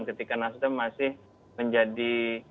ketika nasdem masih menjadi